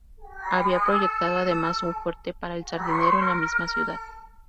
Había proyectado, además, un fuerte para El Sardinero, en la misma ciudad.